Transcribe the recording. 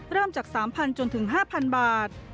เริ่มจาก๓๐๐จนถึง๕๐๐บาท